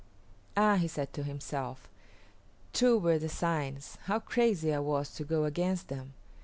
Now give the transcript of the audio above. "Ah," he said to himself, "true were the signs! How crazy I was to go against them!